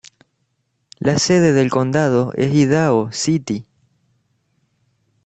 La sede del condado es Idaho City.